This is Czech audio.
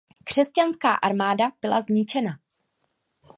Křesťanská armáda byla zničena.